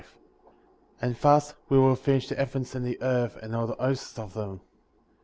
1.* And thus we will finish the heavens and the earth, and all the hosts of them. 2.